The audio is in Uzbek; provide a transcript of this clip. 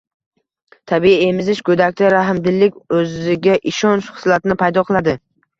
Tabiiy emizish go‘dakda rahmdillik, o‘ziga ishonch xislatini paydo qiladi.